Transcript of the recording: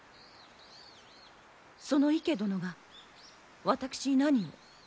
その池殿が私に何を？